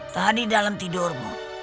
tadi dalam tidurmu